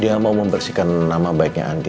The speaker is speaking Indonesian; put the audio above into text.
dia mau membersihkan nama baiknya anti